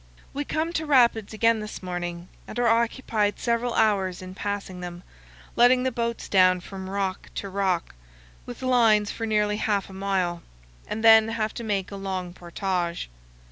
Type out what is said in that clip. We come to rapids again this morning and are occupied several hours in passing them, letting the boats down from rock to rock with lines for nearly half a mile, and then have to make a long portage.